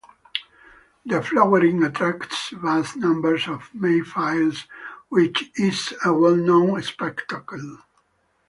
The flowering attracts vast numbers of mayflies which is a well known spectacle.